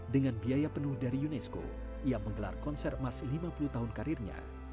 dengan biaya penuh dari unesco ia menggelar konser emas lima puluh tahun karirnya